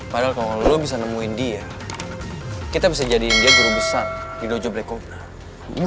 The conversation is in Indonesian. padahal kalau lo bisa nemuin dia kita bisa jadiin dia guru besar di dojo black cobra